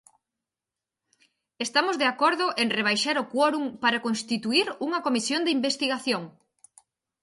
Estamos de acordo en rebaixar o quórum para constituír unha comisión de investigación.